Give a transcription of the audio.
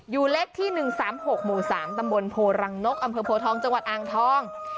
อยู่เลขที่๑๓๖หมู่๓ตำบลโพรังนกอำเภอโพทองจังหวัดอ่างทอง